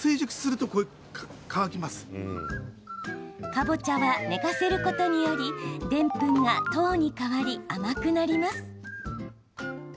かぼちゃは寝かせることによりでんぷんが糖に変わり甘くなります。